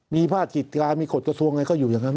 มีภาคกิจการมีกฎกระทรวงไงก็อยู่อย่างนั้น